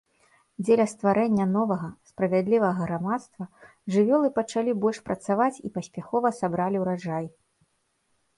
Дзеля стварэння новага, справядлівага грамадства жывёлы пачалі больш працаваць і паспяхова сабралі ураджай.